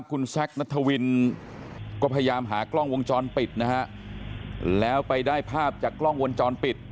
คุณแซคนัทวินก็พยายามหากล้องวงจรปิดนะฮะแล้วไปได้ภาพจากกล้องวงจรปิด